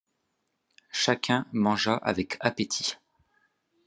Chacun mangea avec appétit.